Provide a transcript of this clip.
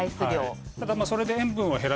ただそれで。